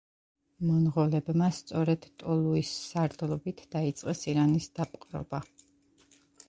მონღოლებმა სწორედ ტოლუის სარდლობით დაიწყეს ირანის დაპყრობა.